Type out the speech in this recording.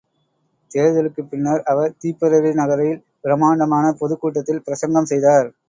தேர்தலுக்குப் பின்னர் அவர் திப்பெரரி நகரில் பிரமாண்டமான பொதுக்கூட்டத்தில் பிரசங்கம் செய்தார்.